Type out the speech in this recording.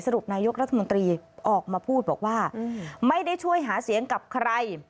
รุปนายกรัฐมนตรีออกมาพูดบอกว่าไม่ได้ช่วยหาเสียงกับใคร